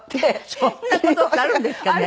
そんな事ってあるんですかね？